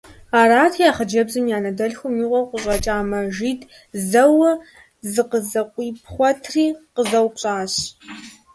Арати, а хъыджэбзым и анэ дэлъхум и къуэу къыщӀэкӀа Мэжид зэуэ зыкъызэкъуипхъуэтри къызэупщӀащ.